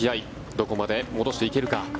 どこまで戻していけるか。